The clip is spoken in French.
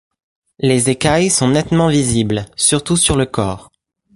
Les écailles sont nettement visibles, surtout sur le corps.